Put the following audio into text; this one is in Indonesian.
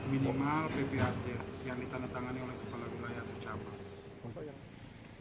minimal bpht yang ditandatangani oleh kepala kepala kepala ia tercapai